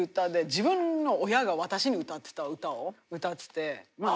自分の親が私に歌ってた歌を歌ってて。